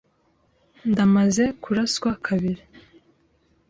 Ndamaze kuraswa kabiri.